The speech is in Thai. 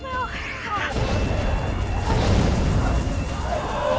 เห็น